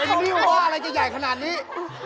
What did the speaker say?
เป็นนิ้วก็ว่าอะไรจะใหญ่ขนาดนี้